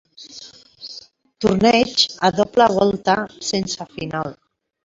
Torneig a doble volta, sense final.